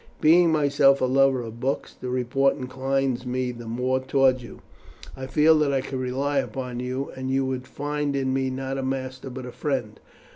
Being myself a lover of books, the report inclines me the more toward you. I feel that I could rely upon you, and you would find in me not a master but a friend.